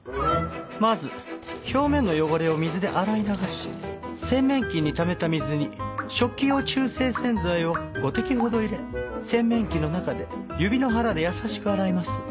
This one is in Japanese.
まず表面の汚れを水で洗い流し洗面器にためた水に食器用中性洗剤を５滴ほど入れ洗面器の中で指の腹で優しく洗います。